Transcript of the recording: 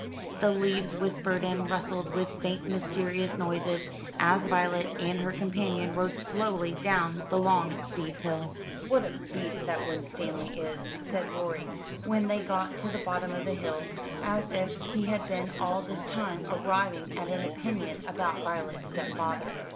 The leaves whispered and rustled with faint mysterious noises, as Violet and her companion rode slowly down the long steep hill. "What a beast that Winstanley is!" said Rorie, when they got to the bottom of the hill, as if he had been all this time arriving at an opinion about Violet's stepfather.